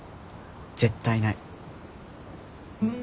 絶対ない。